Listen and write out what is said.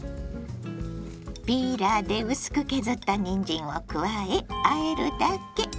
ピーラーで薄く削ったにんじんを加えあえるだけ。